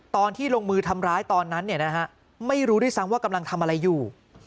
ตอนที่ลงมือทำร้ายตอนนั้นไม่รู้ด้วยซ้ำว่ากำลังทำอะไรอยู่